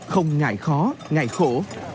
không ngại khó ngại khổ